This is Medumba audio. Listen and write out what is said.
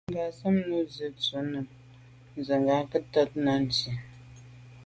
Ngatshob nu Nsi tshùa num nzendà nke’e ntsho Ndà Nsi.